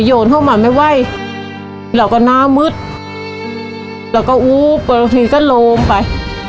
โยนข้อมั่นไม่ไหวเราก็น้ำมืดเราก็อุ๊บปกติก็โลมไป